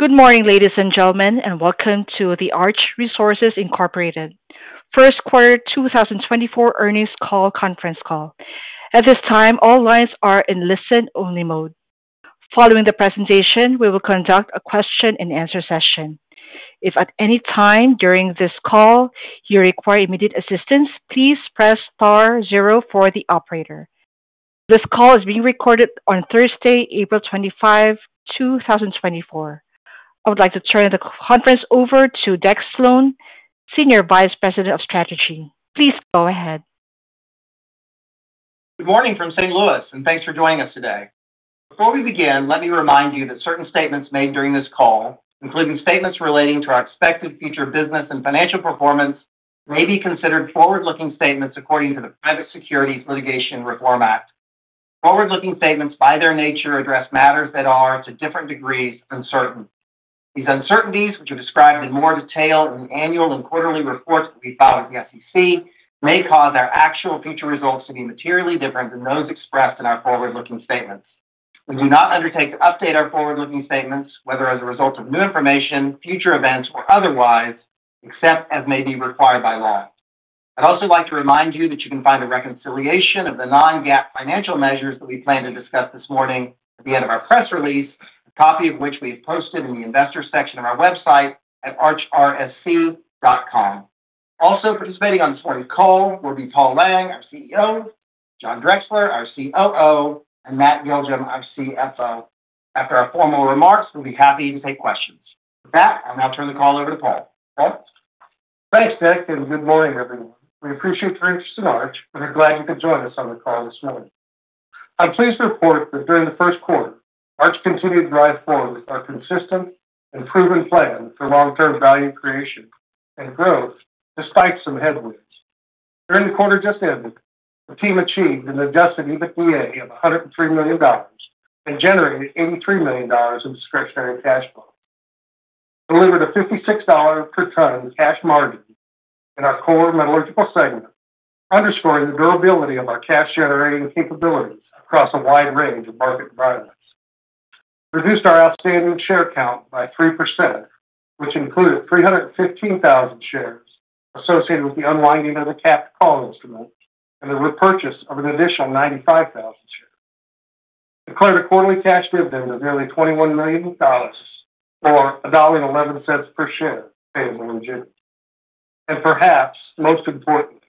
Good morning, ladies and gentlemen, and welcome to the Arch Resources Incorporated First Quarter 2024 Earnings Call Conference Call. At this time, all lines are in listen-only mode. Following the presentation, we will conduct a question-and-answer session. If at any time during this call you require immediate assistance, please press star zero for the operator. This call is being recorded on Thursday, April 25, 2024. I would like to turn the conference over to Deck Slone, Senior Vice President of Strategy. Please go ahead. Good morning from St. Louis, and thanks for joining us today. Before we begin, let me remind you that certain statements made during this call, including statements relating to our expected future business and financial performance, may be considered forward-looking statements according to the Private Securities Litigation Reform Act. Forward-looking statements, by their nature, address matters that are, to different degrees, uncertain. These uncertainties, which are described in more detail in the annual and quarterly reports that we file with the SEC, may cause our actual future results to be materially different than those expressed in our forward-looking statements. We do not undertake to update our forward-looking statements, whether as a result of new information, future events, or otherwise, except as may be required by law. I'd also like to remind you that you can find a reconciliation of the non-GAAP financial measures that we plan to discuss this morning at the end of our press release, a copy of which we've posted in the Investors section of our website at archrsc.com. Also participating on this morning's call will be Paul Lang, our CEO, John Drexler, our COO, and Matt Giljum, our CFO. After our formal remarks, we'll be happy to take questions. With that, I'll now turn the call over to Paul. Paul? Thanks, Deck, and good morning, everyone. We appreciate your interest in Arch, and we're glad you could join us on the call this morning. I'm pleased to report that during the first quarter, Arch continued to drive forward with our consistent and proven plan for long-term value creation and growth, despite some headwinds. During the quarter just ended, the team achieved an Adjusted EBITDA of $103 million and generated $83 million in discretionary cash flow. Delivered a $56 per ton cash margin in our core metallurgical segment, underscoring the durability of our cash-generating capabilities across a wide range of market environments. Reduced our outstanding share count by 3%, which included 315,000 shares associated with the unwinding of the capped call instrument and the repurchase of an additional 95,000 shares. Declared a quarterly cash dividend of nearly $21 million, or $1.11 per share, payable in June. Perhaps most important,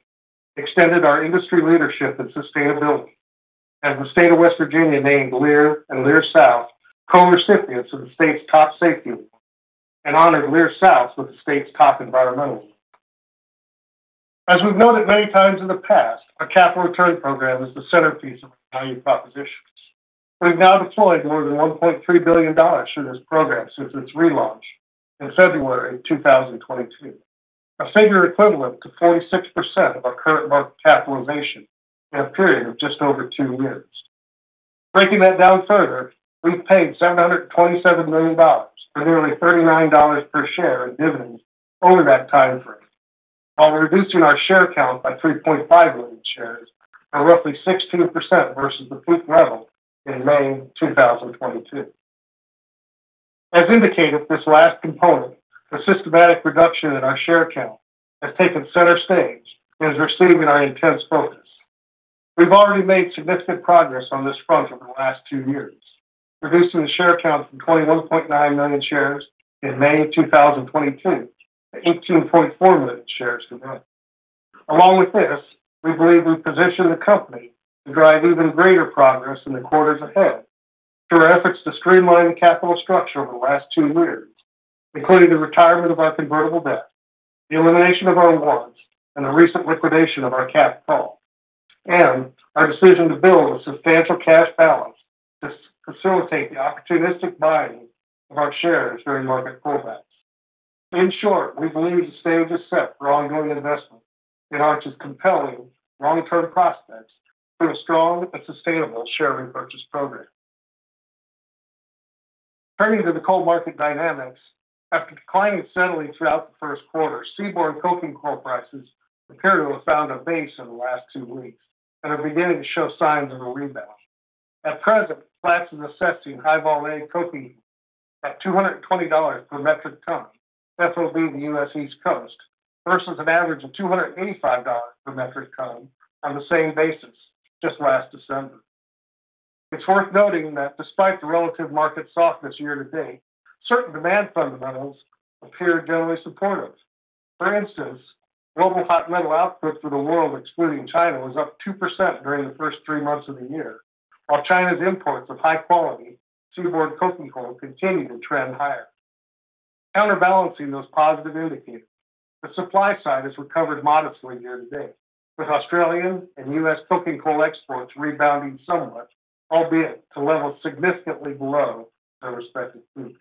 extended our industry leadership and sustainability as the state of West Virginia named Leer and Leer South co-recipients of the state's top safety award, and honored Leer South with the state's top environmental. As we've noted many times in the past, our capital return program is the centerpiece of our value propositions. We've now deployed more than $1.3 billion through this program since its relaunch in February 2022, a figure equivalent to 46% of our current market capitalization in a period of just over two years. Breaking that down further, we've paid $727 million, or nearly $39 per share in dividends over that time frame, while reducing our share count by 3.5 million shares, or roughly 16% versus the fleet level in May 2022. As indicated, this last component, the systematic reduction in our share count, has taken center stage and is receiving our intense focus. We've already made significant progress on this front over the last two years, reducing the share count from 21.9 million shares in May 2022 to 18.4 million shares today. Along with this, we believe we've positioned the company to drive even greater progress in the quarters ahead through our efforts to streamline the capital structure over the last two years, including the retirement of our convertible debt, the elimination of our warrants, and the recent liquidation of our capped call, and our decision to build a substantial cash balance to facilitate the opportunistic buying of our shares during market pullbacks. In short, we believe the stage is set for ongoing investment in Arch's compelling long-term prospects through a strong and sustainable share repurchase program. Turning to the coal market dynamics. After declining steadily throughout the first quarter, seaborne coking coal prices appeared to have found a base in the last two weeks and are beginning to show signs of a rebound. At present, Platts is assessing High-Vol A coking at $220 per metric ton FOB the U.S. East Coast, versus an average of $285 per metric ton on the same basis just last December. It's worth noting that despite the relative market softness year to date, certain demand fundamentals appear generally supportive. For instance, global hot metal output for the world, excluding China, was up 2% during the first three months of the year, while China's imports of high-quality seaborne coking coal continued to trend higher. Counterbalancing those positive indicators, the supply side has recovered modestly year to date, with Australian and U.S. coking coal exports rebounding somewhat, albeit to levels significantly below their respective peaks.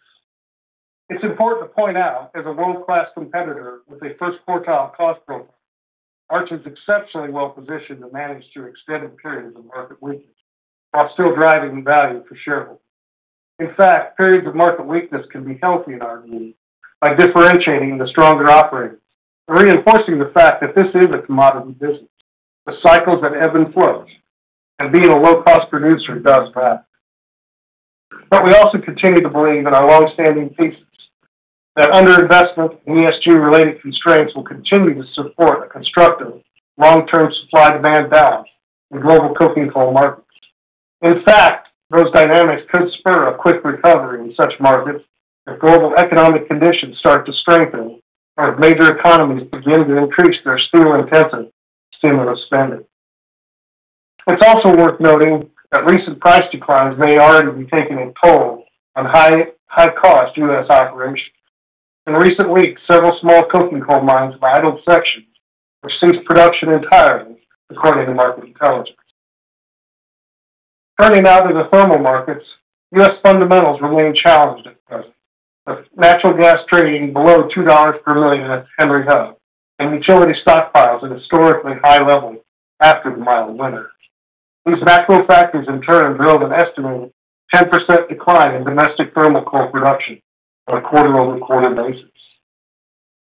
It's important to point out, as a world-class competitor with a first quartile cost profile, Arch is exceptionally well-positioned to manage through extended periods of market weakness while still driving value for shareholders. In fact, periods of market weakness can be healthy in our view, by differentiating the stronger operators and reinforcing the fact that this is a commodity business, with cycles that ebb and flow... and being a low-cost producer does that. But we also continue to believe in our long-standing thesis, that underinvestment and ESG-related constraints will continue to support a constructive long-term supply-demand balance in global coking coal markets. In fact, those dynamics could spur a quick recovery in such markets if global economic conditions start to strengthen, or if major economies begin to increase their steel-intensive stimulus spending. It's also worth noting that recent price declines may already be taking a toll on high-cost U.S. operators. In recent weeks, several small coking coal mines have idled sections or ceased production entirely, according to market intelligence. Turning now to the thermal markets, U.S. fundamentals remain challenged, with natural gas trading below $2 per million at Henry Hub, and utility stockpiles at historically high levels after the mild winter. These macro factors, in turn, drove an estimated 10% decline in domestic thermal coal production on a quarter-over-quarter basis.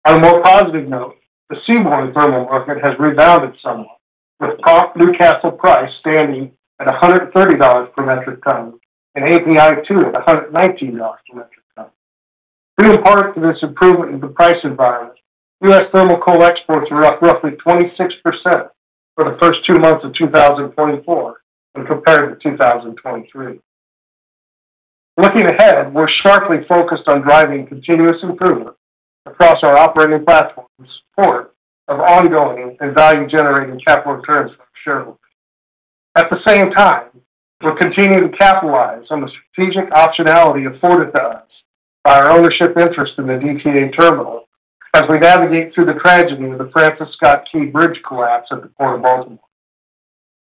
On a more positive note, the seaborne thermal market has rebounded somewhat, with Newcastle price standing at $130 per metric ton, and API2 at $119 per metric ton. Due in part to this improvement in the price environment, U.S. thermal coal exports are up roughly 26% for the first two months of 2024 when compared to 2023. Looking ahead, we're sharply focused on driving continuous improvement across our operating platforms, support of ongoing and value-generating capital returns for shareholders. At the same time, we're continuing to capitalize on the strategic optionality afforded to us by our ownership interest in the DTA Terminal as we navigate through the tragedy of the Francis Scott Key Bridge collapse at the Port of Baltimore.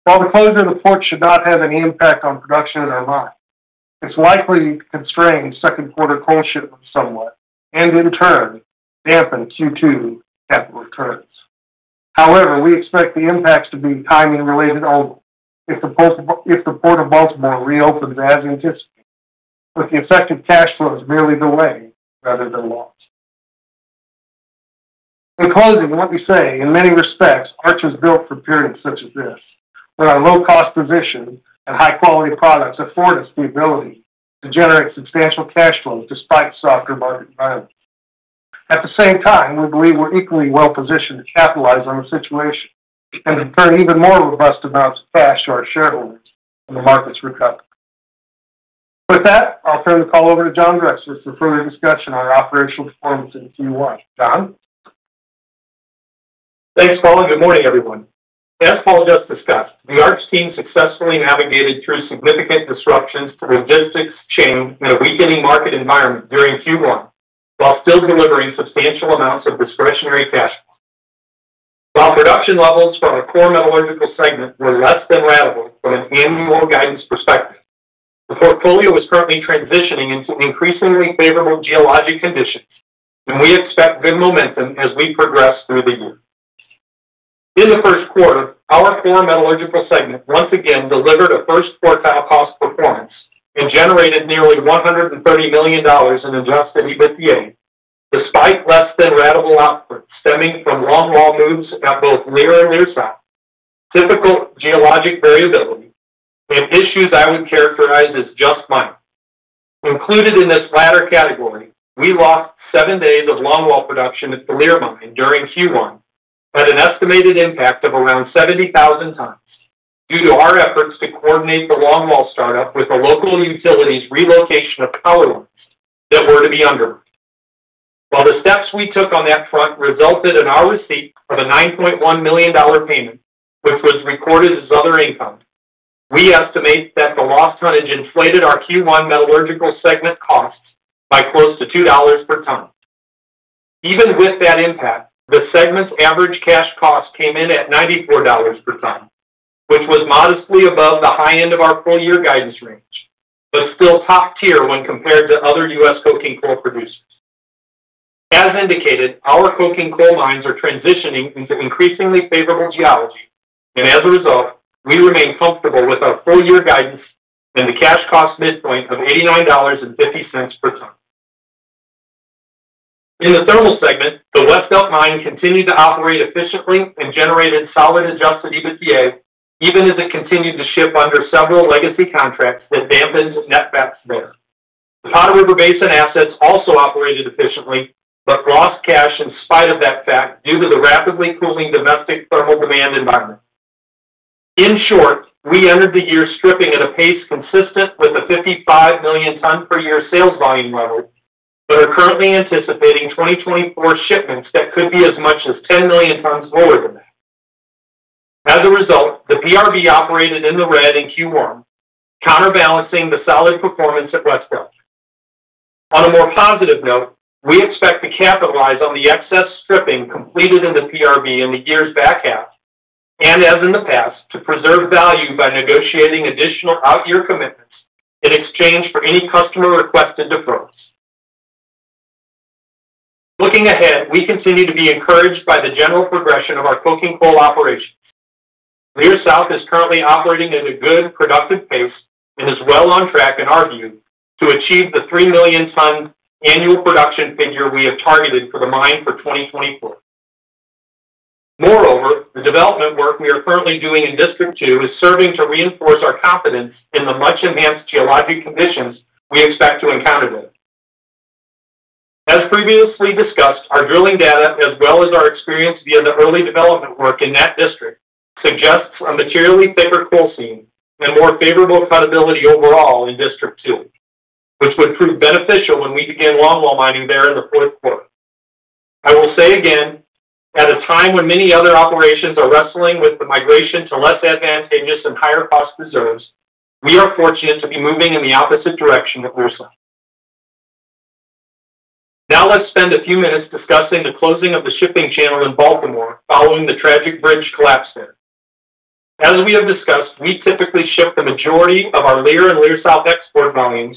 While the closure of the port should not have any impact on production at our mine, it's likely to constrain second quarter coal shipments somewhat and, in turn, dampen Q2 capital returns. However, we expect the impacts to be timing related only if the Port of Baltimore reopens as anticipated, with the effect of cash flows merely delayed rather than lost. In closing, let me say, in many respects, Arch is built for periods such as this, where our low-cost position and high-quality products afford us the ability to generate substantial cash flows despite softer market environments. At the same time, we believe we're equally well-positioned to capitalize on the situation and return even more robust amounts of cash to our shareholders when the markets recover. With that, I'll turn the call over to John Drexler for further discussion on our operational performance in Q1. John? Thanks, Paul, and good morning, everyone. As Paul just discussed, the Arch team successfully navigated through significant disruptions to logistics chain in a weakening market environment during Q1, while still delivering substantial amounts of discretionary cash flow. While production levels from our core metallurgical segment were less than ratable from an annual guidance perspective, the portfolio is currently transitioning into increasingly favorable geologic conditions, and we expect good momentum as we progress through the year. In the first quarter, our core metallurgical segment once again delivered a first-quartile cost performance and generated nearly $130 million in adjusted EBITDA, despite less than ratable outputs stemming from longwall moves at both Leer and Leer South. Typical geologic variability and issues I would characterize as just mine. Included in this latter category, we lost seven days of longwall production at the Leer Mine during Q1, at an estimated impact of around 70,000 tons, due to our efforts to coordinate the longwall startup with the local utility's relocation of power lines that were to be under. While the steps we took on that front resulted in our receipt of a $9.1 million payment, which was recorded as other income, we estimate that the lost tonnage inflated our Q1 metallurgical segment costs by close to $2 per ton. Even with that impact, the segment's average cash cost came in at $94 per ton, which was modestly above the high end of our full-year guidance range, but still top tier when compared to other U.S. coking coal producers. As indicated, our coking coal mines are transitioning into increasingly favorable geology, and as a result, we remain comfortable with our full-year guidance and the cash cost midpoint of $89.50 per ton. In the thermal segment, the West Elk Mine continued to operate efficiently and generated solid adjusted EBITDA, even as it continued to ship under several legacy contracts that dampened net backs there. The Powder River Basin assets also operated efficiently, but lost cash in spite of that fact, due to the rapidly cooling domestic thermal demand environment. In short, we entered the year stripping at a pace consistent with the 55 million tons per year sales volume level, but are currently anticipating 2024 shipments that could be as much as 10 million tons lower than that. As a result, the PRB operated in the red in Q1, counterbalancing the solid performance at West Elk. On a more positive note, we expect to capitalize on the excess stripping completed in the PRB in the year's back half, and as in the past, to preserve value by negotiating additional out-year commitments in exchange for any customer-requested deferrals. Looking ahead, we continue to be encouraged by the general progression of our coking coal operations. Leer South is currently operating at a good, productive pace and is well on track, in our view, to achieve the 3 million tons annual production figure we have targeted for the mine for 2024. Moreover, the development work we are currently doing in District Two is serving to reinforce our confidence in the much-enhanced geologic conditions we expect to encounter there. As previously discussed, our drilling data, as well as our experience via the early development work in that district, suggests a materially thicker coal seam and more favorable geology overall in District Two, which would prove beneficial when we begin longwall mining there in the fourth quarter. I will say again, at a time when many other operations are wrestling with the migration to less advantageous and higher-cost reserves, we are fortunate to be moving in the opposite direction at Leer South. Now let's spend a few minutes discussing the closing of the shipping channel in Baltimore following the tragic bridge collapse there. As we have discussed, we typically ship the majority of our Leer and Leer South export volumes,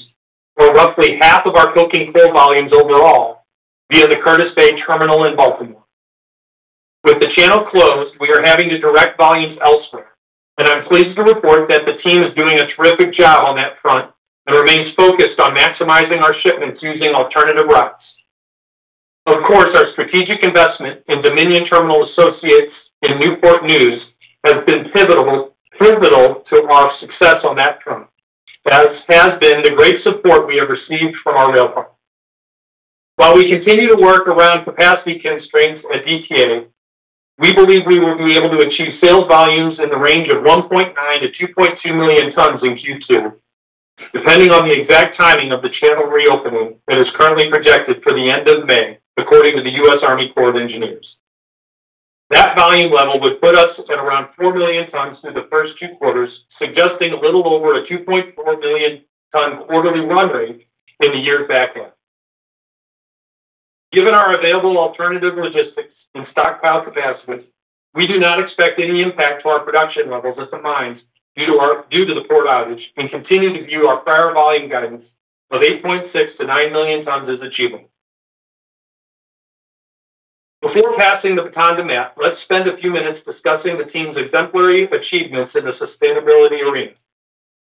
or roughly half of our coking coal volumes overall, via the Curtis Bay Terminal in Baltimore. With the channel closed, we are having to direct volumes elsewhere, and I'm pleased to report that the team is doing a terrific job on that front and remains focused on maximizing our shipments using alternative routes. Of course, our strategic investment in Dominion Terminal Associates in Newport News has been pivotal, pivotal to our success on that front, as has been the great support we have received from our rail partner. While we continue to work around capacity constraints at DTA, we believe we will be able to achieve sales volumes in the range of 1.9 to 2.2 million tons in Q2, depending on the exact timing of the channel reopening that is currently projected for the end of May, according to the U.S. Army Corps of Engineers. That volume level would put us at around 4 million tons through the first two quarters, suggesting a little over a 2.4 million ton quarterly run rate in the year's back end. Given our available alternative logistics and stockpile capacities, we do not expect any impact to our production levels at the mines due to the port outage and continue to view our prior volume guidance of 8.6 to 9 million tons as achievable. Before passing the baton to Matt, let's spend a few minutes discussing the team's exemplary achievements in the sustainability arena.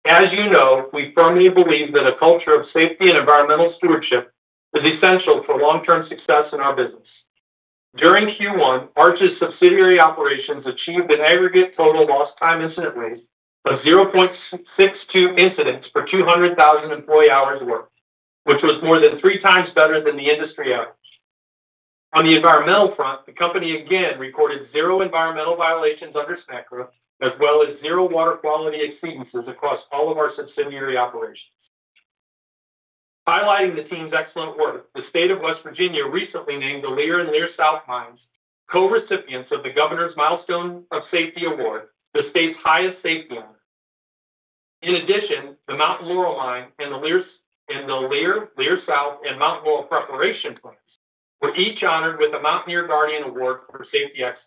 As you know, we firmly believe that a culture of safety and environmental stewardship is essential for long-term success in our business. During Q1, Arch's subsidiary operations achieved an aggregate total lost time incident rate of 0.62 incidents per 200,000 employee hours worked, which was more than three times better than the industry average. On the environmental front, the company again recorded zero environmental violations under SMCRA, as well as zero water quality exceedances across all of our subsidiary operations. Highlighting the team's excellent work, the state of West Virginia recently named the Leer and Leer South mines co-recipients of the Governor's Milestone of Safety Award, the state's highest safety honor. In addition, the Mountain Laurel Mine and the Leer, Leer South, and Mountain Laurel preparation plants were each honored with a Mountaineer Guardian Award for safety excellence.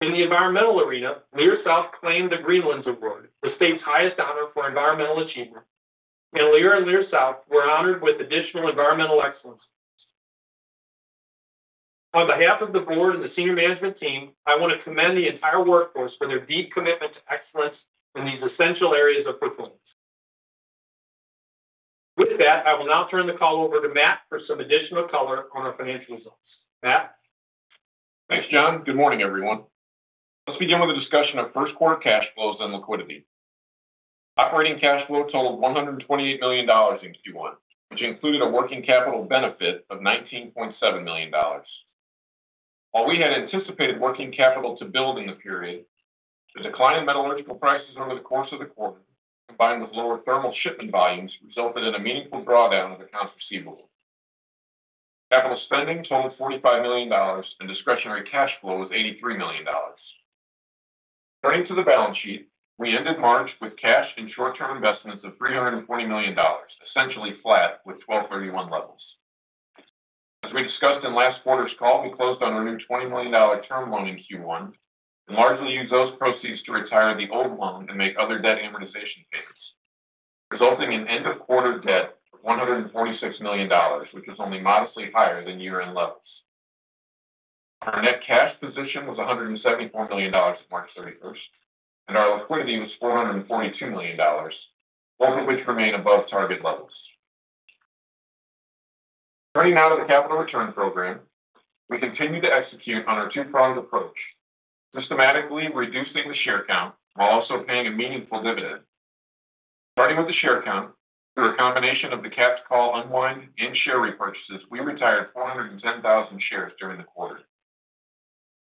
In the environmental arena, Leer South claimed the Greenlands Award, the state's highest honor for environmental achievement, and Leer and Leer South were honored with additional environmental excellence. On behalf of the board and the senior management team, I want to commend the entire workforce for their deep commitment to excellence in these essential areas of performance. With that, I will now turn the call over to Matt for some additional color on our financial results. Matt? Thanks, John. Good morning, everyone. Let's begin with a discussion of first quarter cash flows and liquidity. Operating cash flow totaled $128 million in Q1, which included a working capital benefit of $19.7 million. While we had anticipated working capital to build in the period, the decline in metallurgical prices over the course of the quarter, combined with lower thermal shipment volumes, resulted in a meaningful drawdown of accounts receivable. Capital spending totaled $45 million, and discretionary cash flow was $83 million. Turning to the balance sheet, we ended March with cash and short-term investments of $340 million, essentially flat with 12/31 levels. As we discussed in last quarter's call, we closed on a new $20 million term loan in Q1 and largely used those proceeds to retire the old loan and make other debt amortization payments, resulting in end-of-quarter debt of $146 million, which is only modestly higher than year-end levels. Our net cash position was $174 million on March thirty-first, and our liquidity was $442 million, both of which remain above target levels. Turning now to the capital return program, we continue to execute on our two-pronged approach, systematically reducing the share count while also paying a meaningful dividend. Starting with the share count, through a combination of the capped call unwind and share repurchases, we retired 410,000 shares during the quarter.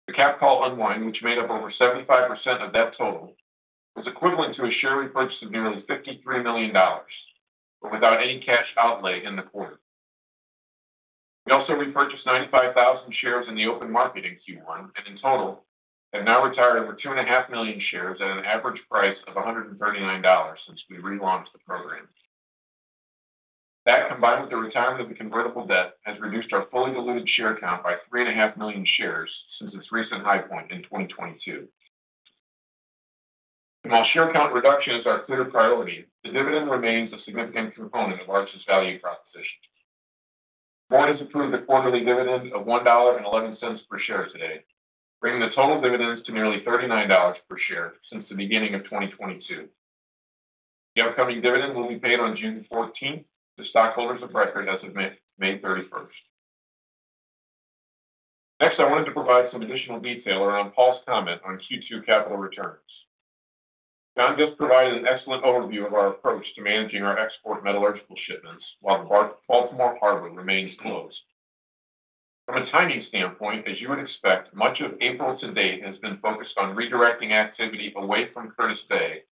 The Capped Call unwind, which made up over 75% of that total, was equivalent to a share repurchase of nearly $53 million, but without any cash outlay in the quarter. We also repurchased 95,000 shares in the open market in Q1 and in total, have now retired over 2.5 million shares at an average price of $139 since we relaunched the program. That, combined with the retirement of the convertible debt, has reduced our fully diluted share count by $3.5 million shares since its recent high point in 2022. And while share count reduction is our clear priority, the dividend remains a significant component of Arch's value proposition. The board has approved a quarterly dividend of $1.11 per share today, bringing the total dividends to nearly $39 per share since the beginning of 2022. The upcoming dividend will be paid on June fourteenth to stockholders of record as of May thirty-first. Next, I wanted to provide some additional detail around Paul's comment on Q2 capital returns. John just provided an excellent overview of our approach to managing our export metallurgical shipments while Baltimore Harbor remains closed. From a timing standpoint, as you would expect, much of April to date has been focused on redirecting activity away from Curtis Bay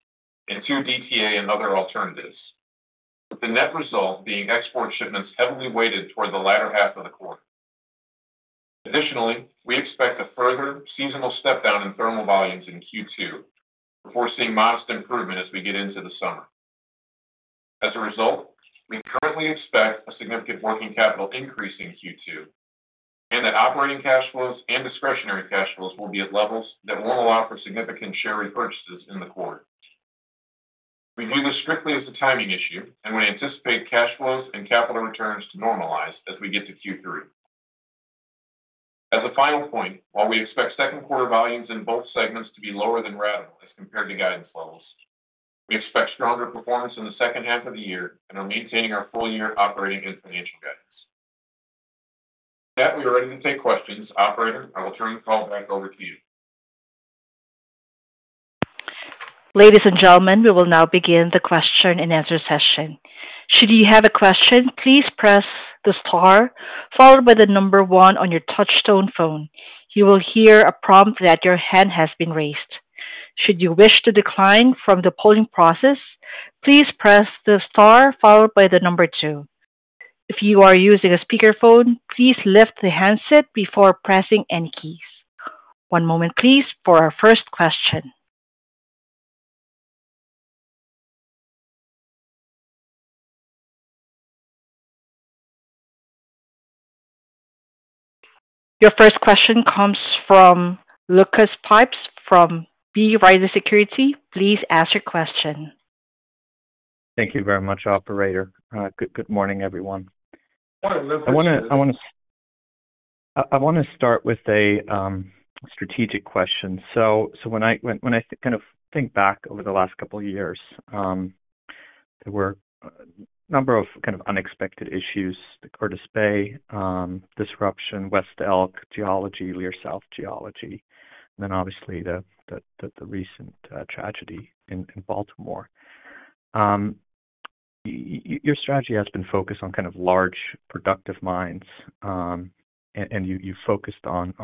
and to DTA and other alternatives, with the net result being export shipments heavily weighted toward the latter half of the quarter. Additionally, we expect a further seasonal step down in thermal volumes in Q2 before seeing modest improvement as we get into the summer. As a result, we currently expect a significant working capital increase in Q2, and that operating cash flows and discretionary cash flows will be at levels that won't allow for significant share repurchases in the quarter. We view this strictly as a timing issue, and we anticipate cash flows and capital returns to normalize as we get to Q3. As a final point, while we expect second quarter volumes in both segments to be lower than rational as compared to guidance levels, we expect stronger performance in the second half of the year and are maintaining our full-year operating and financial guidance. With that, we are ready to take questions. Operator, I will turn the call back over to you. Ladies and gentlemen, we will now begin the question-and-answer session. Should you have a question, please press the star followed by the number one on your touch-tone phone. You will hear a prompt that your hand has been raised. Should you wish to decline from the polling process, please press the star followed by the number two. If you are using a speakerphone, please lift the handset before pressing any keys. One moment, please, for our first question. Your first question comes from Lucas Pipes from B. Riley Securities. Please ask your question. Thank you very much, operator. Good morning, everyone. Morning, Lucas. I wanna start with a strategic question. So when I kind of think back over the last couple of years, there were a number of kind of unexpected issues, the Curtis Bay disruption, West Elk geology, Leer South geology, and then obviously the recent tragedy in Baltimore. Your strategy has been focused on kind of large, productive mines, and you focused on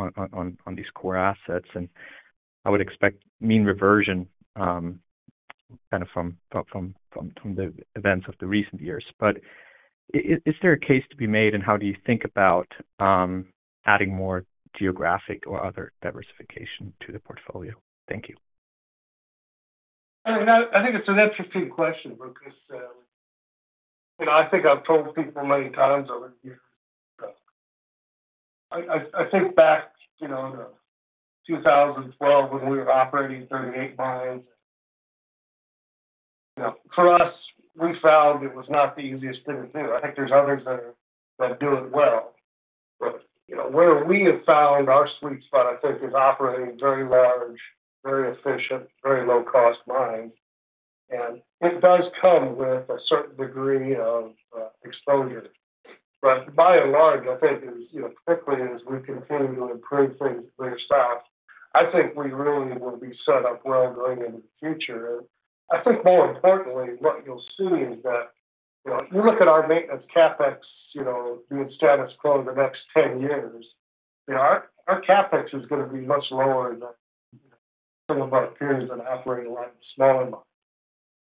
these core assets, and I would expect mean reversion kind of from the events of the recent years. But is there a case to be made, and how do you think about adding more geographic or other diversification to the portfolio? Thank you. I mean, I think it's an interesting question, Lucas. You know, I think I've told people many times over the years. I think back, you know, in 2012, when we were operating 38 mines, you know, for us, we found it was not the easiest thing to do. I think there's others that are—that do it well. But, you know, where we have found our sweet spot, I think, is operating very large, very efficient, very low-cost mines. And it does come with a certain degree of exposure. But by and large, I think, as you know, particularly as we continue to improve things for our staff, I think we really will be set up well going into the future. I think more importantly, what you'll see is that, you know, if you look at our maintenance CapEx, you know, doing status quo in the next 10 years, you know, our, our CapEx is gonna be much lower than some of our peers that are operating a lot smaller.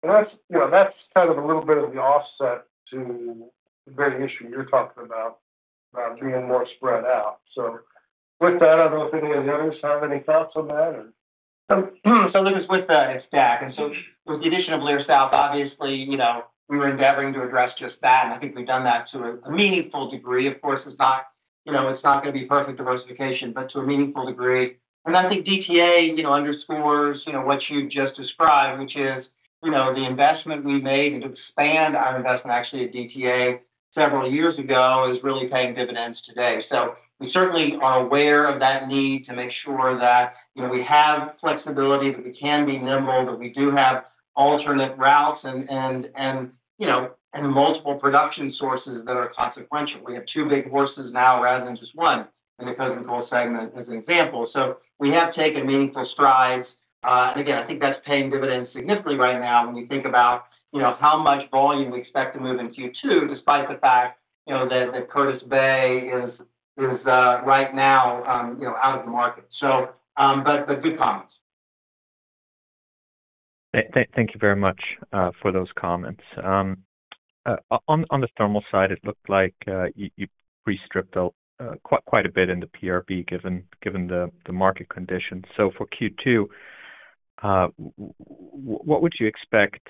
And that's, you know, that's kind of a little bit of the offset to the very issue you're talking about, about being more spread out. So with that, I don't know if any of the others have any thoughts on that, or? So, so this is with the stack. And so with the addition of Leer South, obviously, you know, we were endeavoring to address just that, and I think we've done that to a meaningful degree. Of course, it's not, you know, it's not gonna be perfect diversification, but to a meaningful degree. And I think DTA, you know, underscores, you know, what you've just described, which is, you know, the investment we made and to expand our investment actually at DTA several years ago, is really paying dividends today. So we certainly are aware of that need to make sure that, you know, we have flexibility, that we can be nimble, that we do have alternate routes and, you know, and multiple production sources that are consequential. We have two big horses now rather than just one in the segment as an example. We have taken meaningful strides. And again, I think that's paying dividends significantly right now when we think about, you know, how much volume we expect to move in Q2, despite the fact, you know, that Curtis Bay is right now, you know, out of the market. But good comments. Thank you very much for those comments. On the thermal side, it looked like you restripped quite a bit in the PRB, given the market conditions. So for Q2, what would you expect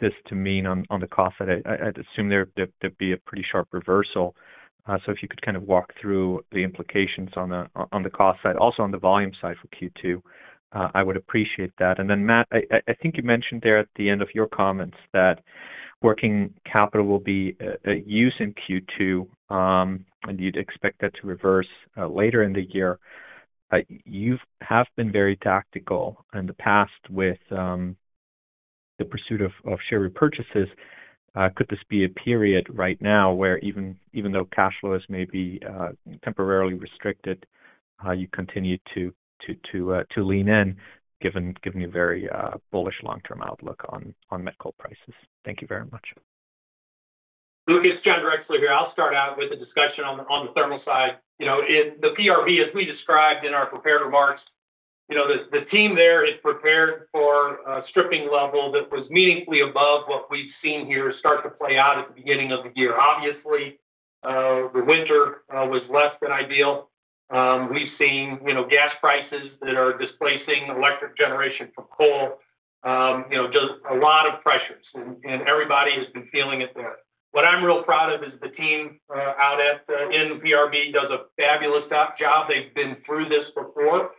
this to mean on the cost side? I'd assume there'd be a pretty sharp reversal. So if you could kind of walk through the implications on the cost side, also on the volume side for Q2, I would appreciate that. And then, Matt, I think you mentioned there at the end of your comments that working capital will be used in Q2, and you'd expect that to reverse later in the year. You have been very tactical in the past with the pursuit of share repurchases. Could this be a period right now where even though cash flows may be temporarily restricted, you continue to lean in, given your very bullish long-term outlook on met coal prices? Thank you very much. Lucas, John Drexler here. I'll start out with a discussion on the thermal side. You know, in the PRB, as we described in our prepared remarks, you know, the team there is prepared for a stripping level that was meaningfully above what we've seen here start to play out at the beginning of the year. Obviously, the winter was less than ideal. We've seen, you know, gas prices that are displacing electric generation from coal. You know, just a lot of pressures, and everybody has been feeling it there. What I'm real proud of is the team out at in PRB does a fabulous job. They've been through this before.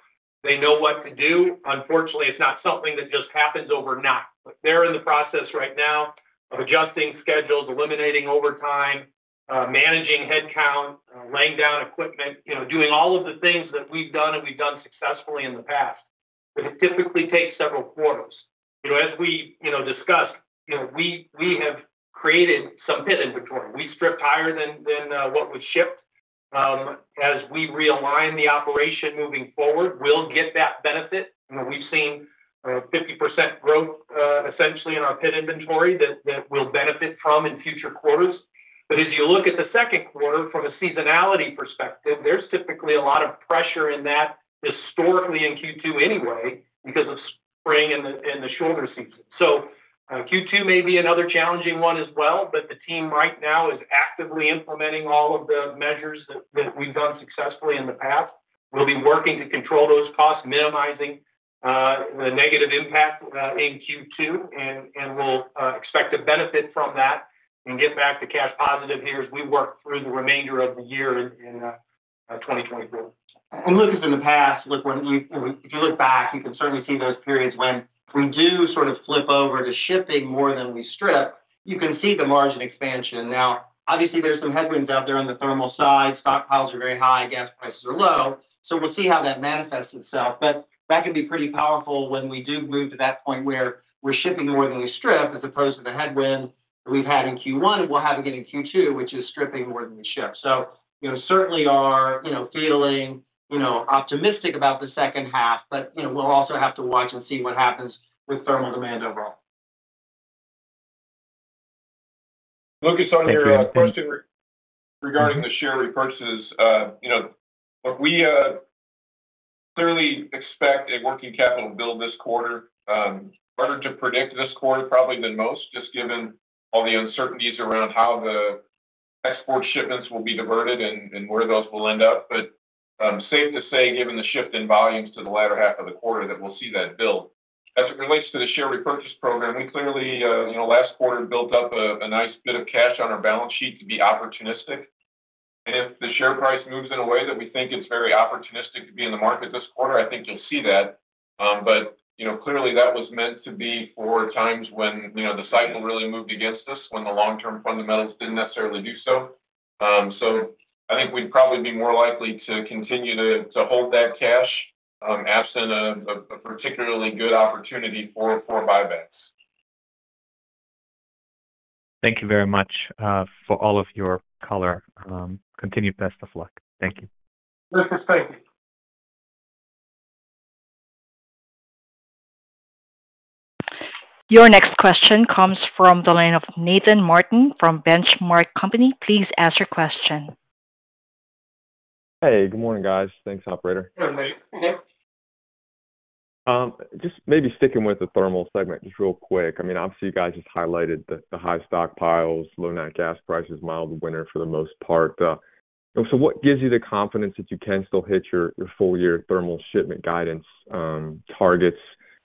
They know what to do. Unfortunately, it's not something that just happens overnight. But they're in the process right now of adjusting schedules, eliminating overtime, managing headcount, laying down equipment, you know, doing all of the things that we've done and we've done successfully in the past. But it typically takes several quarters. You know, as we, you know, discussed, you know, we, we have created some pit inventory. We stripped higher than what was shipped. As we realign the operation moving forward, we'll get that benefit. You know, we've seen 50% growth, essentially in our pit inventory that, that we'll benefit from in future quarters. But as you look at the second quarter from a seasonality perspective, there's typically a lot of pressure in that, historically, in Q2 anyway, because of spring and the, and the shoulder season. So, Q2 may be another challenging one as well, but the team right now is actively implementing all of the measures that we've done successfully in the past. We'll be working to control those costs, minimizing the negative impact in Q2, and we'll expect to benefit from that and get back to cash positive here as we work through the remainder of the year in 2024. And Lucas, in the past, look, when if you look back, you can certainly see those periods when we do sort of flip over to shipping more than we strip. You can see the margin expansion. Now, obviously, there's some headwinds out there on the thermal side. Stockpiles are very high, gas prices are low, so we'll see how that manifests itself. But that can be pretty powerful when we do move to that point where we're shipping more than we strip, as opposed to the headwind we've had in Q1 and we'll have again in Q2, which is stripping more than we ship. So, you know, certainly are, you know, feeling, you know, optimistic about the second half, but, you know, we'll also have to watch and see what happens with thermal demand overall. Lucas, on your question regarding the share repurchases. You know, look, we clearly expect a working capital build this quarter. Harder to predict this quarter probably than most, just given all the uncertainties around how the export shipments will be diverted and where those will end up. But safe to say, given the shift in volumes to the latter half of the quarter, that we'll see that build. As it relates to the share repurchase program, we clearly, you know, last quarter built up a nice bit of cash on our balance sheet to be opportunistic. And if the share price moves in a way that we think it's very opportunistic to be in the market this quarter, I think you'll see that. But, you know, clearly that was meant to be for times when, you know, the cycle really moved against us, when the long-term fundamentals didn't necessarily do so. So I think we'd probably be more likely to continue to hold that cash, absent a particularly good opportunity for buybacks. Thank you very much for all of your color. Continued best of luck. Thank you. Lucas, thank you. Your next question comes from the line of Nathan Martin from Benchmark Company. Please ask your question. Hey, good morning, guys. Thanks, operator. Good morning. Hey. Just maybe sticking with the thermal segment, just real quick. I mean, obviously, you guys just highlighted the high stockpiles, low nat gas prices, mild winter for the most part. So what gives you the confidence that you can still hit your full year thermal shipment guidance targets?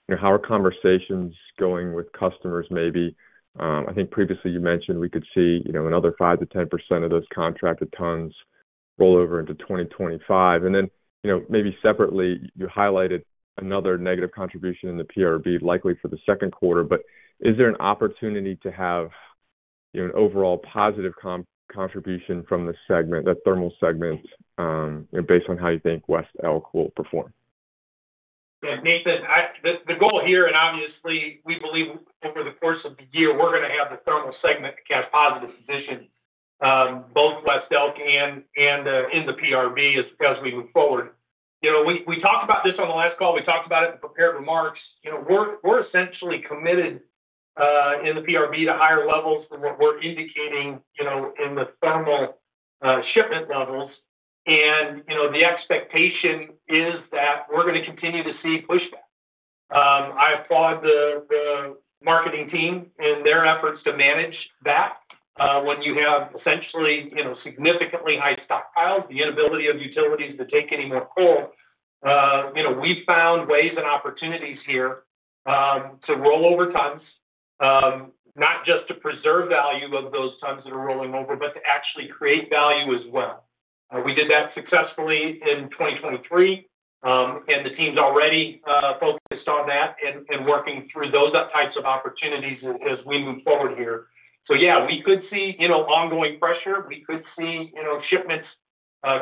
You know, how are conversations going with customers maybe? I think previously you mentioned we could see, you know, another 5%-10% of those contracted tons roll over into 2025. And then, you know, maybe separately, you highlighted another negative contribution in the PRB, likely for the second quarter. But is there an opportunity to have, you know, an overall positive contribution from this segment, the thermal segment, you know, based on how you think West Elk will perform? Yeah, Nathan, the goal here, and obviously, we believe over the course of the year, we're gonna have the thermal segment in a cash positive position, both West Elk and in the PRB as we move forward. You know, we talked about this on the last call. We talked about it in prepared remarks. You know, we're essentially committed in the PRB to higher levels than what we're indicating, you know, in the thermal shipment levels. And, you know, the expectation is that we're gonna continue to see pushback. I applaud the marketing team and their efforts to manage that. When you have essentially, you know, significantly high stockpiles, the inability of utilities to take any more coal, you know, we found ways and opportunities here to roll over tons, not just to preserve value of those tons that are rolling over, but to actually create value as well. We did that successfully in 2023, and the team's already focused on that and working through those types of opportunities as we move forward here. So yeah, we could see, you know, ongoing pressure. We could see, you know, shipments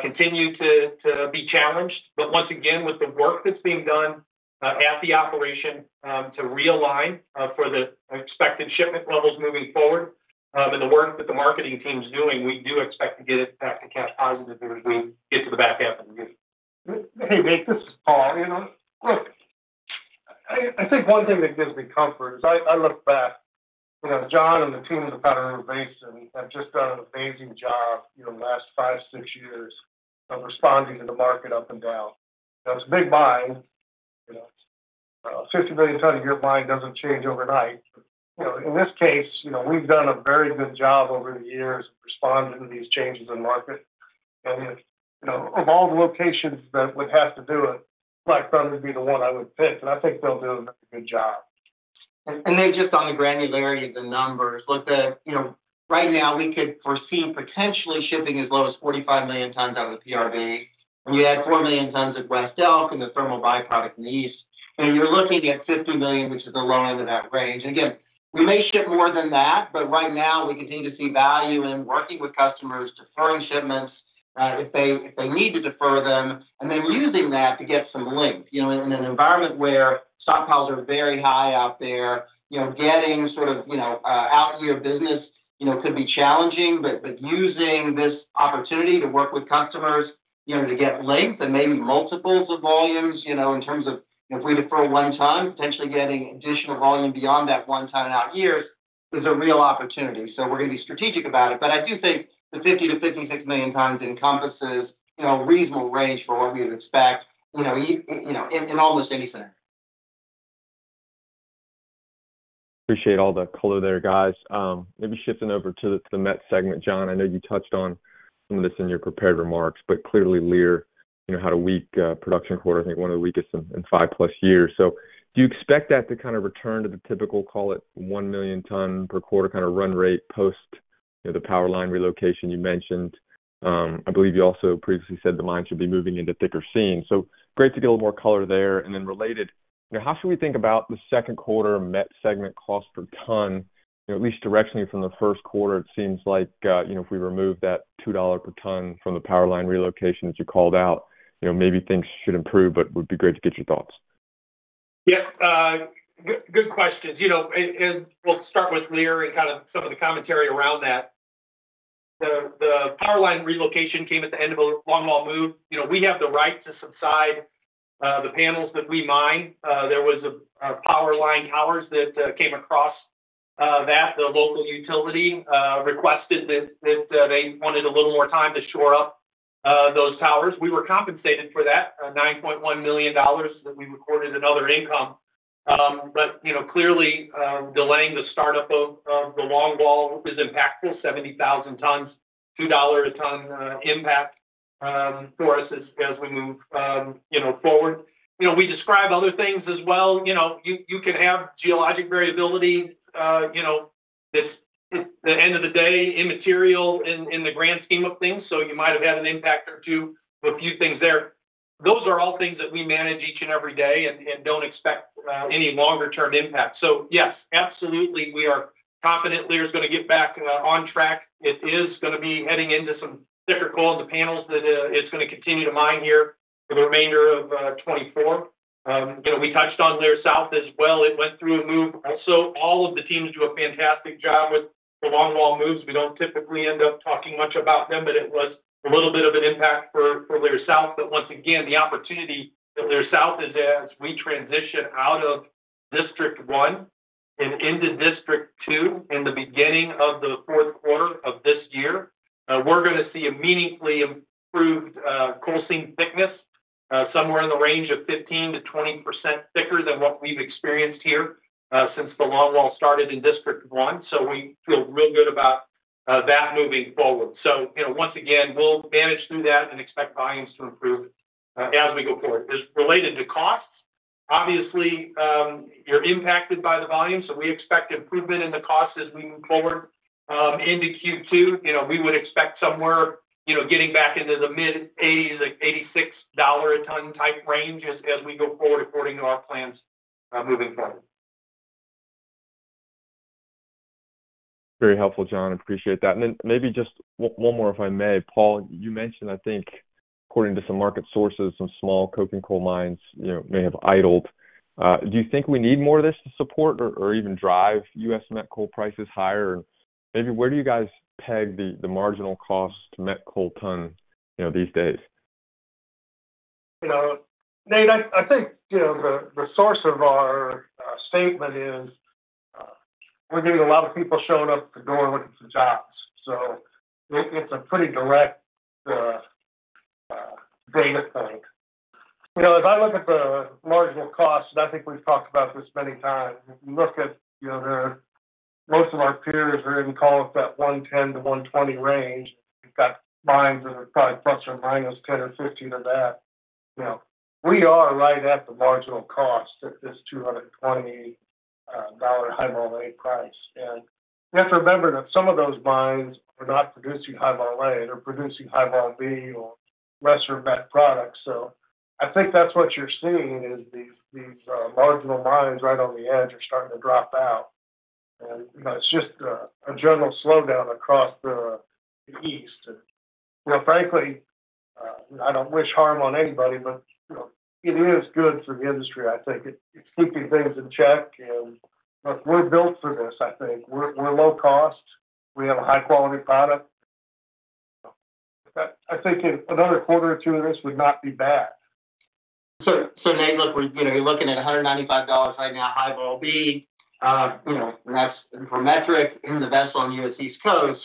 continue to be challenged. But once again, with the work that's being done at the operation to realign for the expected shipment levels moving forward, and the work that the marketing team is doing, we do expect to get it back to cash positive as we get to the back half of the year. Hey, Nate, this is Paul. You know, look, I think one thing that gives me comfort is I look back, you know, John and the team in the Powder River Basin have just done an amazing job, you know, the last five, six years of responding to the market up and down. That's a big mine. You know, 50 million ton a year mine doesn't change overnight. You know, in this case, you know, we've done a very good job over the years responding to these changes in market. And, you know, of all the locations that would have to do it, Black Thunder would be the one I would pick, and I think they'll do a good job. And then just on the granularity of the numbers, look, you know, right now we could foresee potentially shipping as low as 45 million tons out of PRB. We had 4 million tons of West Elk and the thermal byproduct in the East. You're looking at 50 million, which is the low end of that range. Again, we may ship more than that, but right now we continue to see value in working with customers, deferring shipments, if they need to defer them, and then using that to get some length. You know, in an environment where stockpiles are very high out there, you know, getting sort of, you know, out your business, you know, could be challenging. But using this opportunity to work with customers, you know, to get length and maybe multiples of volumes, you know, in terms of if we defer 1 ton, potentially getting additional volume beyond that 1 ton out years, is a real opportunity. So we're going to be strategic about it. But I do think the 50 to 56 million tons encompasses, you know, reasonable range for what we would expect, you know, in almost any scenario. Appreciate all the color there, guys. Maybe shifting over to the met segment. John, I know you touched on some of this in your prepared remarks, but clearly, Leer, you know, had a weak production quarter, I think one of the weakest in 5+ years. So do you expect that to kind of return to the typical, call it, 1 million ton per quarter, kind of, run rate post, you know, the power line relocation you mentioned? I believe you also previously said the mine should be moving into thicker seam. So great to get a little more color there. And then related, you know, how should we think about the second quarter met segment cost per ton? At least directionally from the first quarter, it seems like, you know, if we remove that $2 per ton from the power line relocation, as you called out, you know, maybe things should improve, but it would be great to get your thoughts. Yeah, good, good questions. You know, and we'll start with Leer and kind of some of the commentary around that. The power line relocation came at the end of a longwall move. You know, we have the right to subside the panels that we mine. There was a power line towers that came across that. The local utility requested that they wanted a little more time to shore up those towers. We were compensated for that $9.1 million that we recorded as other income. But you know, clearly delaying the start-up of the longwall is impactful. 70,000 tons, $2 a ton impact for us as we move you know forward. You know, we describe other things as well. You know, you can have geologic variability, you know, this—at the end of the day, immaterial in the grand scheme of things, so you might have had an impact or two, a few things there. Those are all things that we manage each and every day and don't expect any longer-term impact. So yes, absolutely, we are confident Leer is gonna get back on track. It is gonna be heading into some thicker coal in the panels that it's gonna continue to mine here for the remainder of 2024. You know, we touched on Leer South as well. It went through a move also. All of the teams do a fantastic job with the longwall moves. We don't typically end up talking much about them, but it was a little bit of an impact for Leer South. But once again, the opportunity of Leer South is as we transition out of District One and into District Two in the beginning of the fourth quarter of this year, we're gonna see a meaningfully improved, coal seam thickness, somewhere in the range of 15% to 20% thicker than what we've experienced here, since the longwall started in District One. So we feel real good about, that moving forward. So, you know, once again, we'll manage through that and expect volumes to improve, as we go forward. As related to costs, obviously, you're impacted by the volume, so we expect improvement in the costs as we move forward, into Q2. You know, we would expect somewhere, you know, getting back into the mid-80s, like $86 a ton type range as we go forward, according to our plans, moving forward. Very helpful, John. I appreciate that. And then maybe just one more, if I may. Paul, you mentioned, I think, according to some market sources, some small coking coal mines, you know, may have idled. Do you think we need more of this to support or, or even drive U.S. met coal prices higher? Maybe where do you guys peg the, the marginal cost to met coal ton, you know, these days? You know, Nate, I think, you know, the source of our statement is we're getting a lot of people showing up at the door looking for jobs, so it's a pretty direct data point. You know, if I look at the marginal cost, and I think we've talked about this many times, if you look at, you know, most of our peers are in call it that 110 to 120 range. We've got mines that are probably plus or minus 10 or 15 to that. You know, we are right at the marginal cost at this $228 high vol A price. And you have to remember that some of those mines are not producing high vol A, they're producing high vol B or lesser met products. I think that's what you're seeing is these marginal mines right on the edge are starting to drop out. You know, it's just a general slowdown across the East. You know, frankly, I don't wish harm on anybody, but you know, it is good for the industry. I think it's keeping things in check, and look, we're built for this, I think. We're low cost. We have a high-quality product. I think another quarter or two of this would not be bad. So now, look, we're, you know, you're looking at $195 right now, High-Vol B, you know, and that's per metric in the vessel on the U.S.East Coast.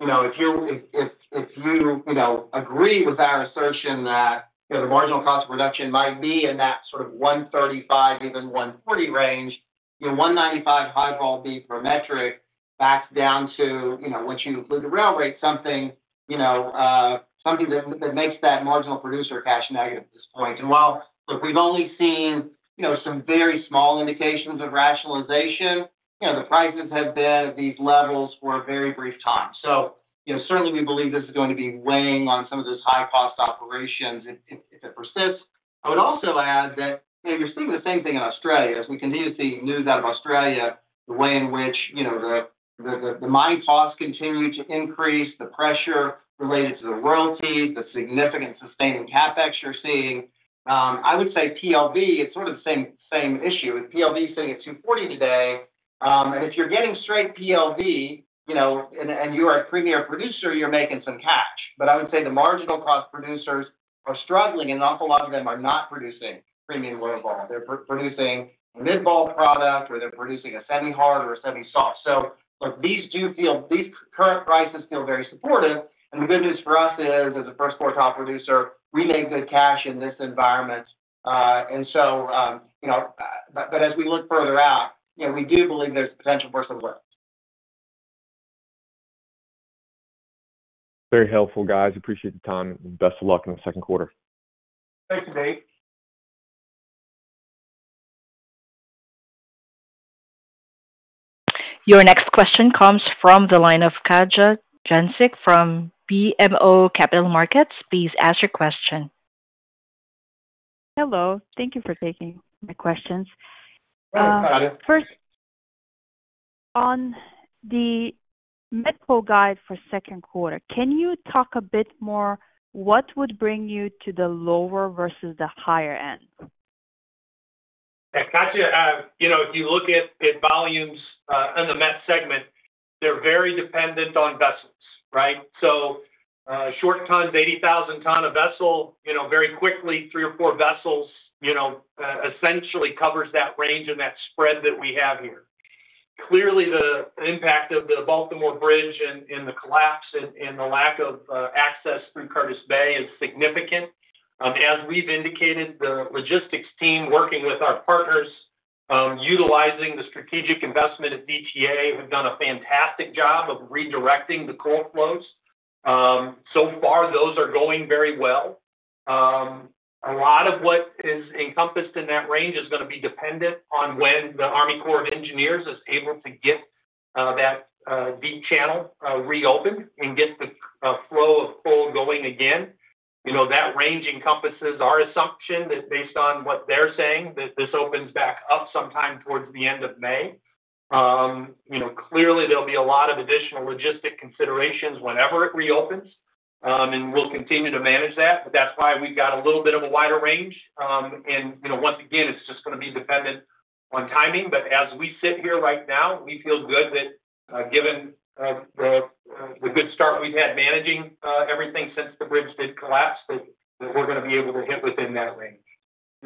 You know, if you're, if you, you know, agree with our assertion that, you know, the marginal cost of production might be in that sort of 135, even 140 range, your $195 High-Vol B per metric backs down to, you know, once you include the rail rate, something, you know, something that makes that marginal producer cash negative at this point. And while, look, we've only seen, you know, some very small indications of rationalization, you know, the prices have been at these levels for a very brief time. So, you know, certainly we believe this is going to be weighing on some of those high-cost operations if it persists. I would also add that, you know, you're seeing the same thing in Australia, as we continue to see news out of Australia, the way in which, you know, the mining costs continue to increase, the pressure related to the royalties, the significant sustained CapEx you're seeing. I would say PLV, it's sort of the same, same issue. With PLV sitting at $240 today, and if you're getting straight PLV, you know, and you are a premier producer, you're making some cash. But I would say the marginal cost producers are struggling, an awful lot of them are not producing premium low vol. They're producing mid-vol product, or they're producing a semi-hard or a semi-soft. So look, these do feel... These current prices feel very supportive, and the good news for us is, as a first quarter top producer, we make good cash in this environment. And so, you know, but as we look further out, you know, we do believe there's potential for some work. Very helpful, guys. Appreciate the time, and best of luck in the second quarter. Thanks, Nate. Your next question comes from the line of Katja Jancic from BMO Capital Markets. Please ask your question. Hello, thank you for taking my questions. Hi, Katja. First, on the met guidance for second quarter, can you talk a bit more, what would bring you to the lower versus the higher end? Yeah, Katja, you know, if you look at, at volumes in the met segment, they're very dependent on vessels, right? So, short tons, 80,000-ton vessel, you know, very quickly, three or four vessels, you know, essentially covers that range and that spread that we have here. Clearly, the impact of the Baltimore Bridge and the collapse and the lack of access through Curtis Bay is significant. As we've indicated, the logistics team working with our partners, utilizing the strategic investment at DTA, have done a fantastic job of redirecting the coal flows. So far, those are going very well. A lot of what is encompassed in that range is gonna be dependent on when the Army Corps of Engineers is able to get that deep channel reopened and get the flow of coal going again. You know, that range encompasses our assumption that based on what they're saying, that this opens back up sometime towards the end of May. You know, clearly there'll be a lot of additional logistic considerations whenever it reopens, and we'll continue to manage that. But that's why we've got a little bit of a wider range. You know, once again, it's just gonna be dependent on timing, but as we sit here right now, we feel good that the good start we've had managing everything since the bridge did collapse, that we're gonna be able to hit within that range.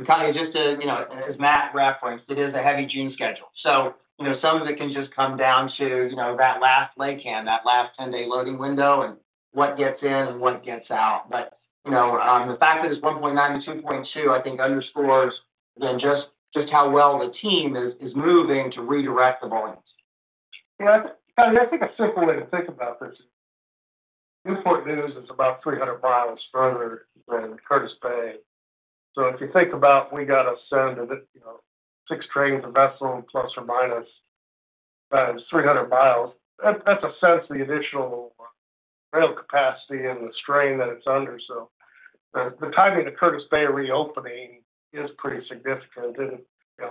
Katja, just to, you know, as Matt referenced, it is a heavy June schedule, so, you know, some of it can just come down to, you know, that last leg hand, that last ten-day loading window and what gets in and what gets out. But, you know, the fact that it's 1.9 to 2.2, I think underscores again, just how well the team is moving to redirect the volumes. Yeah. Katja, I think a simple way to think about this, Newport News is about 300 miles further than Curtis Bay. So if you think about we got to send, you know, six trains a vessel plus or minus 300 miles, that's a sense of the additional rail capacity and the strain that it's under. So the timing of Curtis Bay reopening is pretty significant, and, you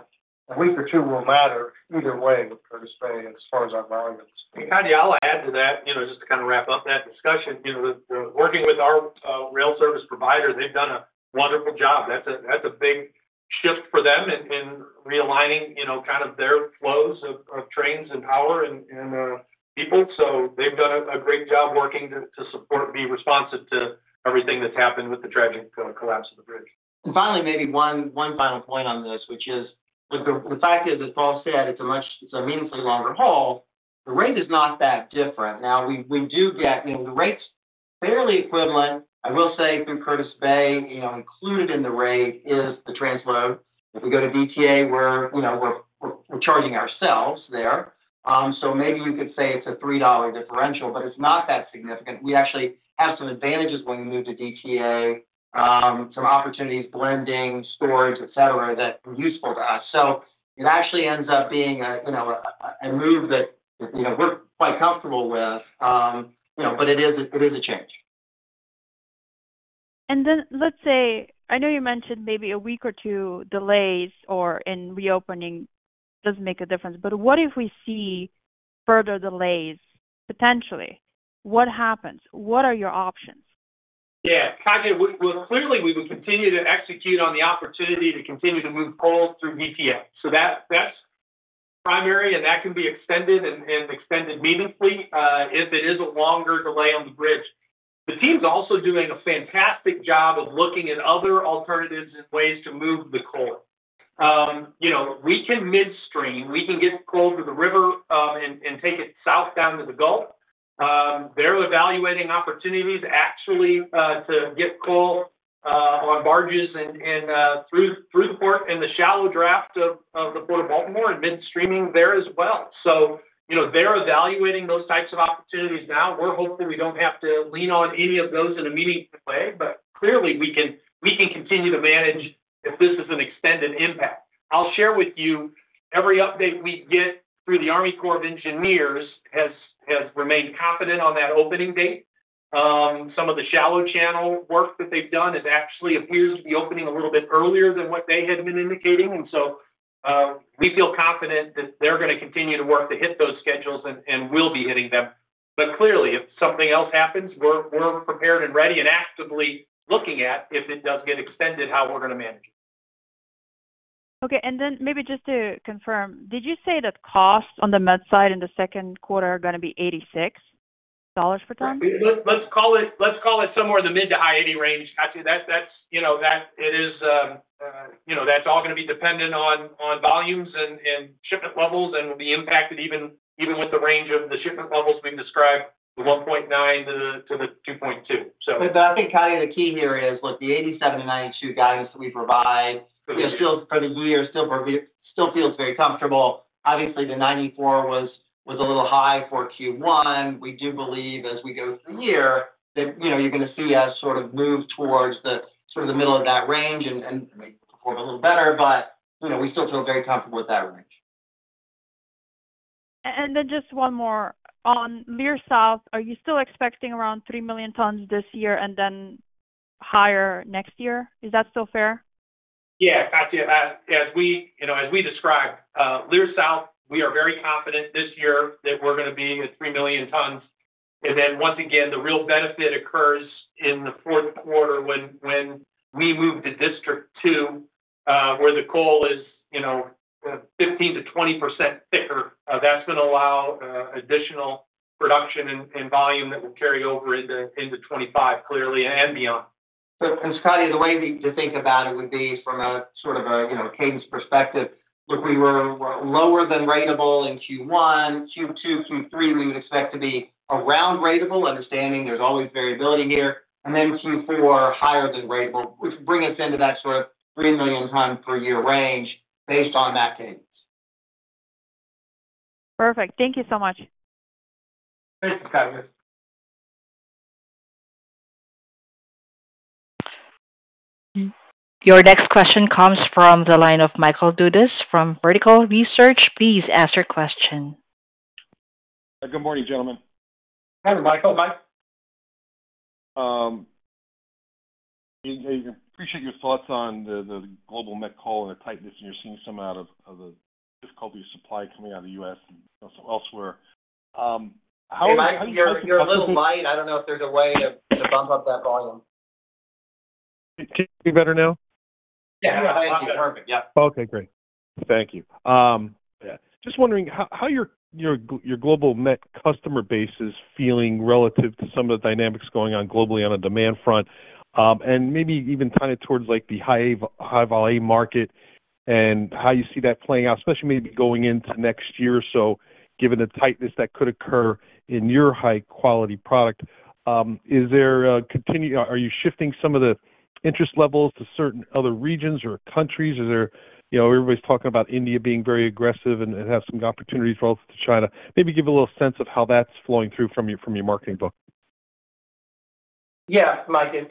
know, a week or two will matter either way with Curtis Bay as far as our volumes. And, Katja, I'll add to that, you know, just to kind of wrap up that discussion. You know, the working with our rail service provider, they've done a wonderful job. That's a big shift for them in realigning, you know, kind of their flows of trains and power and people. So they've done a great job working to support and be responsive to everything that's happened with the tragic collapse of the bridge. Finally, maybe one final point on this, which is the fact is, as Paul said, it's a much longer haul. It's a meaningfully longer haul. The rate is not that different. Now, we do get. You know, the rate's fairly equivalent. I will say through Curtis Bay, you know, included in the rate is the transload. If we go to DTA, we're charging ourselves there. So maybe we could say it's a $3 differential, but it's not that significant. We actually have some advantages when we move to DTA, some opportunities, blending, storage, et cetera, that are useful to us. So it actually ends up being a move that we're quite comfortable with. You know, but it is a change. And then let's say, I know you mentioned maybe a week or two delays or in reopening doesn't make a difference, but what if we see further delays, potentially? What happens? What are your options? Yeah, Katja, well, clearly, we would continue to execute on the opportunity to continue to move coal through DTA. So that's primary, and that can be extended and extended meaningfully if it is a longer delay on the bridge. The team's also doing a fantastic job of looking at other alternatives and ways to move the coal. You know, we can midstream. We can get coal to the river and take it south down to the Gulf. They're evaluating opportunities actually to get coal on barges and through the port in the shallow draft of the Port of Baltimore and midstreaming there as well. So, you know, they're evaluating those types of opportunities now. We're hoping we don't have to lean on any of those in immediate way, but clearly we can continue to manage if this is an extended impact. I'll share with you every update we get through the Army Corps of Engineers has remained confident on that opening date. Some of the shallow channel work that they've done actually appears to be opening a little bit earlier than what they had been indicating. And so, we feel confident that they're gonna continue to work to hit those schedules and will be hitting them. But clearly, if something else happens, we're prepared and ready and actively looking at, if it does get extended, how we're gonna manage it. Okay, and then maybe just to confirm, did you say that costs on the met side in the second quarter are gonna be $86 per ton? Let's call it somewhere in the mid- to high-80 range. Actually, that's, you know, that, it is, you know, that's all gonna be dependent on volumes and shipment levels and will be impacted even with the range of the shipment levels we've described, the 1.9 to the 2.2, so. But I think, Katja, the key here is, look, the 87 to 92 guidance we provide is still for the year, still feels very comfortable. Obviously, the 94 was, was a little high for Q1. We do believe as we go through the year, that, you know, you're gonna see us sort of move towards the sort of the middle of that range and, and maybe perform a little better, but, you know, we still feel very comfortable with that range. And then just one more. On Leer South, are you still expecting around 3 million tons this year and then higher next year? Is that still fair? Yeah, Katja, as we, you know, as we described, Leer South, we are very confident this year that we're gonna be at 3 million tons. And then once again, the real benefit occurs in the fourth quarter when we move to District Two, where the coal is, you know, 15%-20% thicker. That's gonna allow additional production and volume that will carry over into 2025, clearly, and beyond. So, and Katja, the way to think about it would be from a sort of a, you know, cadence perspective. Look, we were lower than ratable in Q1. Q2, Q3, we would expect to be around ratable, understanding there's always variability here, and then Q4, higher than ratable, which bring us into that sort of 3 million ton per year range based on that cadence. Perfect. Thank you so much. Thanks, Katja. Your next question comes from the line of Michael Dudas from Vertical Research. Please ask your question. Good morning, gentlemen. Hi, Michael. Mike. I appreciate your thoughts on the global met coal and the tightness, and you're seeing some of the difficulty of supply coming out of the U.S. and elsewhere. how- You're a little light. I don't know if there's a way to bump up that volume. Can you hear me better now? Yeah, perfect. Yep. Okay, great. Thank you. Yeah. Just wondering how your global met customer base is feeling relative to some of the dynamics going on globally on the demand front, and maybe even kind of towards like the high-volume market and how you see that playing out, especially maybe going into next year or so, given the tightness that could occur in your high-quality product. Are you shifting some of the interest levels to certain other regions or countries? Is there... You know, everybody's talking about India being very aggressive and have some opportunities relative to China. Maybe give a little sense of how that's flowing through from your marketing book. Yeah, Mike, it's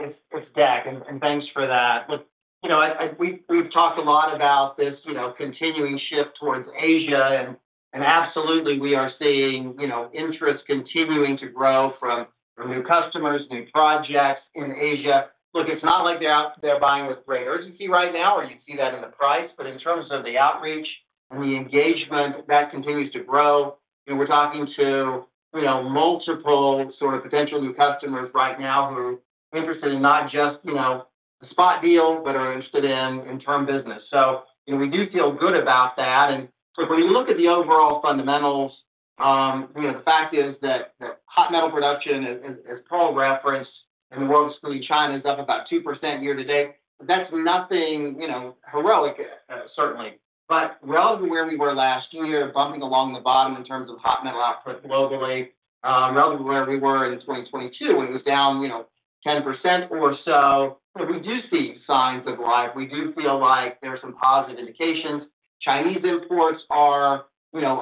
Deck, and thanks for that. Look, you know, we've talked a lot about this, you know, continuing shift towards Asia, and absolutely, we are seeing, you know, interest continuing to grow from new customers, new projects in Asia. Look, it's not like they're out there buying with great urgency right now, or you see that in the price, but in terms of the outreach and the engagement, that continues to grow. And we're talking to, you know, multiple sort of potential new customers right now who are interested in not just, you know, the spot deal, but are interested in term business. So, you know, we do feel good about that. When you look at the overall fundamentals, you know, the fact is that hot metal production, as Paul referenced, in the world, excluding China, is up about 2% year to date. That's nothing, you know, heroic, certainly. But relative to where we were last year, bumping along the bottom in terms of hot metal output globally, relative to where we were in 2022, when it was down, you know, 10% or so, but we do see signs of life. We do feel like there are some positive indications. Chinese imports are, you know,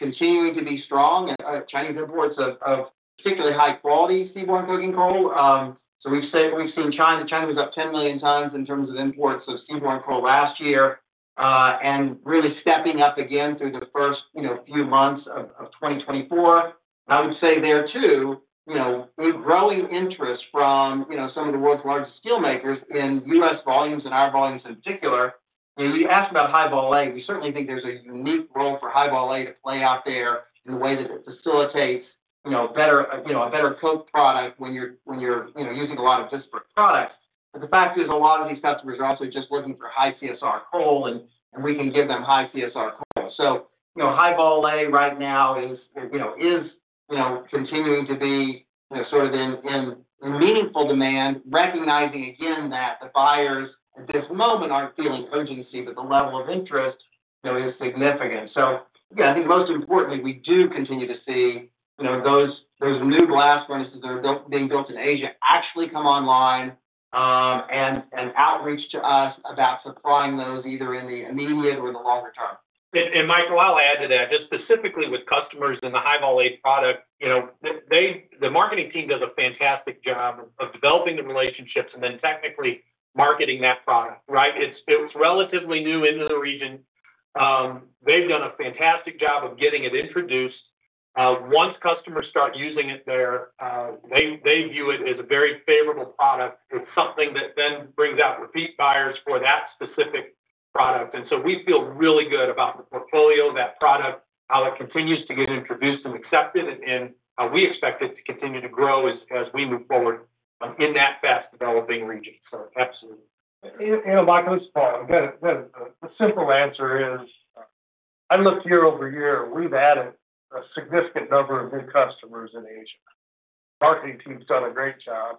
continuing to be strong, Chinese imports of particularly high-quality seaborne coking coal. So we've said—we've seen China. China was up 10 million tons in terms of imports of seaborne coal last year, and really stepping up again through the first, you know, few months of 2024. I would say there, too, you know, with growing interest from, you know, some of the world's largest steel makers in U.S. volumes and our volumes in particular, when we ask about High-Vol A, we certainly think there's a unique role for High-Vol A to play out there in the way that it facilitates, you know, better, you know, a better coke product when you're, you know, using a lot of disparate products. But the fact is, a lot of these customers are also just looking for high CSR coal, and we can give them high CSR coal. So, you know, High-Vol A right now is, you know, continuing to be, you know, sort of in meaningful demand, recognizing again, that the buyers at this moment aren't feeling urgency, but the level of interest, you know, is significant. So, yeah, I think most importantly, we do continue to see, you know, those new glass furnaces that are being built in Asia, actually come online, and outreach to us about supplying those, either in the immediate or the longer term. And Michael, I'll add to that, just specifically with customers in the High-Vol A product. You know, they, the marketing team does a fantastic job of developing the relationships and then technically marketing that product, right? It's relatively new into the region. They've done a fantastic job of getting it introduced. Once customers start using it there, they view it as a very favorable product. It's something that then brings out repeat buyers for that specific product. And so we feel really good about the portfolio, that product, how it continues to get introduced and accepted, and how we expect it to continue to grow as we move forward in that fast-developing region. So absolutely. Michael, the simple answer is, I look year over year; we've added a significant number of new customers in Asia. Marketing team's done a great job.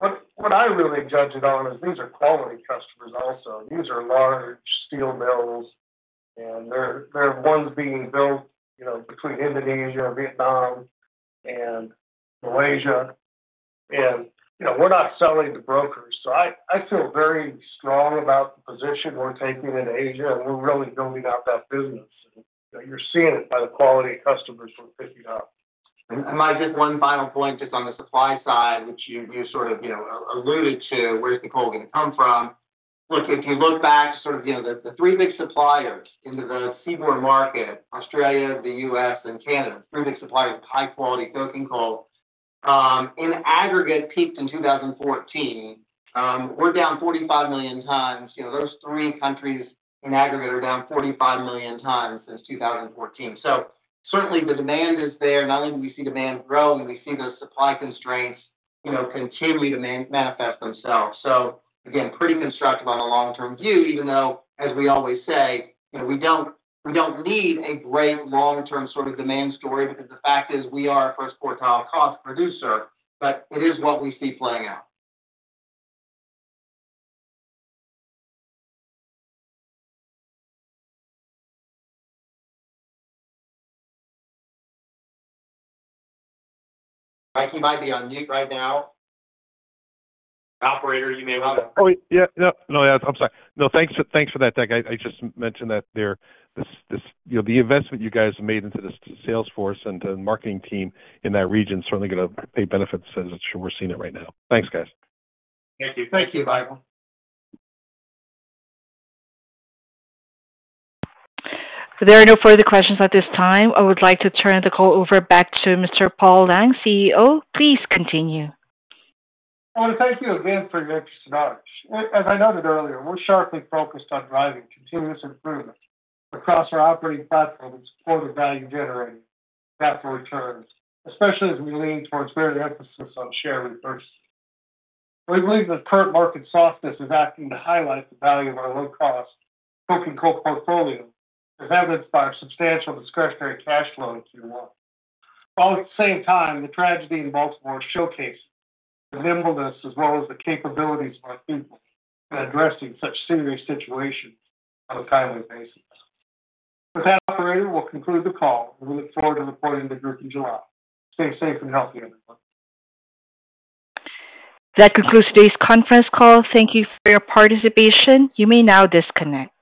But what I really judge it on is these are quality customers also. These are large steel mills, and there are ones being built, you know, between Indonesia and Vietnam and Malaysia. And, you know, we're not selling to brokers, so I feel very strong about the position we're taking in Asia, and we're really building out that business. You're seeing it by the quality of customers we're picking up. And Mike, just one final point, just on the supply side, which you sort of, you know, alluded to, where is the coal going to come from? Look, if you look back, sort of, you know, the three big suppliers into the seaborne market, Australia, the U.S., and Canada, three big suppliers of high-quality coking coal, in aggregate, peaked in 2014. We're down 45 million tons. You know, those three countries, in aggregate, are down 45 million tons since 2014. So certainly the demand is there. Not only do we see demand growing, we see those supply constraints, you know, continuing to manifest themselves. So again, pretty constructive on a long-term view, even though, as we always say, you know, we don't, we don't need a great long-term sort of demand story, because the fact is we are a first quartile cost producer, but it is what we see playing out. Mike, you might be on mute right now. Operator, you may want to- Oh, yeah, yeah. No, I'm sorry. No, thanks for that, Deck. I just mentioned that, you know, the investment you guys have made into this sales force and the marketing team in that region is certainly gonna pay benefits, and I'm sure we're seeing it right now. Thanks, guys. Thank you. Thank you, Michael. There are no further questions at this time. I would like to turn the call over back to Mr. Paul Lang, CEO. Please continue. I want to thank you again for your interest in Arch. As I noted earlier, we're sharply focused on driving continuous improvement across our operating platform to support the value-generating capital returns, especially as we lean towards greater emphasis on share repurchase. We believe the current market softness is acting to highlight the value of our low-cost coking coal portfolio, as evidenced by our substantial discretionary cash flow in Q1. While at the same time, the tragedy in Baltimore showcased the nimbleness as well as the capabilities of our people in addressing such serious situations on a timely basis. With that, operator, we'll conclude the call. We look forward to reporting to the group in July. Stay safe and healthy, everyone. That concludes today's conference call. Thank you for your participation. You may now disconnect.